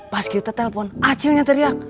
pas kita telpon acilnya teriak